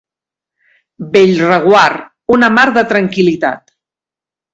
Bellreguard, una mar de tranquil·litat.